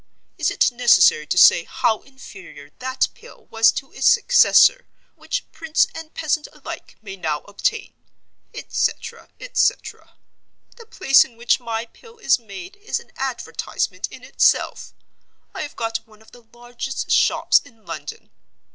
Is it necessary to say how inferior that Pill was to its Successor, which prince and peasant alike may now obtain?'—Et cetera, et cetera. The place in which my Pill is made is an advertisement in itself. I have got one of the largest shops in London.